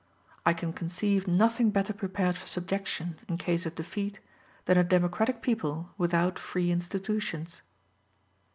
I can conceive nothing better prepared for subjection, in case of defeat, than a democratic people without free institutions.